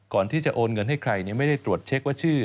ก่อนที่จะโอนเงินให้ใครไม่ได้ตรวจเช็คว่าชื่อ